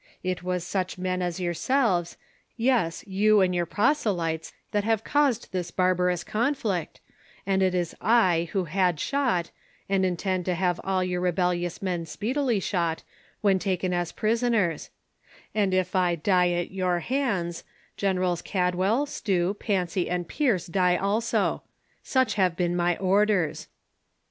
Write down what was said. It was such men as yourselves ; yes, you and your proselytes that have caused this barbarous conflict, and it is / who had shot, and intend to have all your rebellious men speedily shot, when taken as prisoners ; and if I die at your hands, Generals Cadwell, Stew, Fancy and Pierce die also ; such have been my orders.